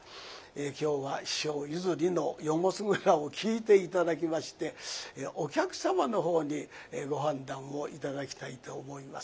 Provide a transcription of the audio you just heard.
今日は師匠譲りの「夜もすがら」を聞いて頂きましてお客様のほうにご判断を頂きたいと思います。